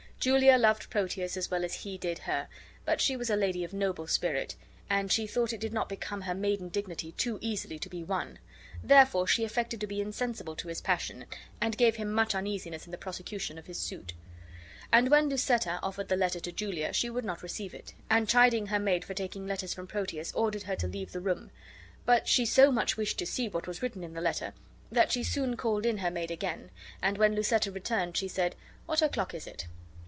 Julia loved Proteus as well as he did her, but she was a lady of a noble spirit, and she thought it did not become her maiden dignity too easily to be won; therefore she affected to be insensible of his passion and gave him much uneasiness in the prosecution of his suit. And when Lucetta, offered the letter to Julia she would not receive it, and chid her maid for taking letters from Proteus, and ordered her to leave the room. But she so much wished to see what was written in the letter that she soon called in her maid again; and when Lucetta returned she said, "What o'clock is it?"